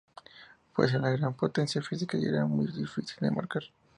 Poseía una gran potencia física y era muy difícil de marcar.